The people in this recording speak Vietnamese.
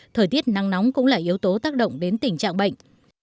thời tiết nắng nóng cũng là yếu tố tác động đến tình trạng bệnh